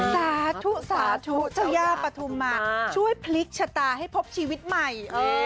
สาธุสาธุเจ้าย่าปฐุมมาช่วยพลิกชะตาให้พบชีวิตใหม่